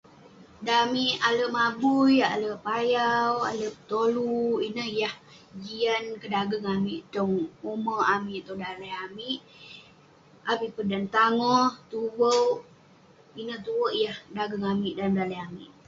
Dan amik alek mabui, alek payau, alek betolu ineh yah jian kedageng amik tong umek amik tong daleh amik avik peh dan tangoh, tuveuk. Ineh tuek yah dageng amik dalem daleh amik.